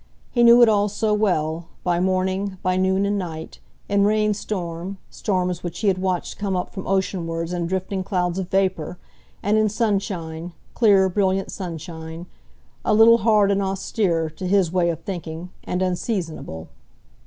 He knew it all so well, by morning, by noon and night; in rainstorm, storms which he had watched come up from oceanwards in drifting clouds of vapour; and in sunshine, clear, brilliant sunshine, a little hard and austere, to his way of thinking, and unseasonable.